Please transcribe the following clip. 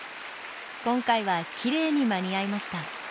今回はきれいに間に合いました。